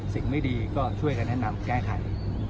สิ่งไม่ดีก็ช่วยกันแนะนำแก้ไข